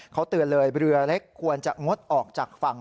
เขาเตือนเลยเรือเล็กควรจะงดออกจากฝั่ง